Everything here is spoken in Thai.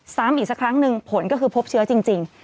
ซ้ำอีกสักครั้งหนึ่งผลก็คือพบเชื้อจริง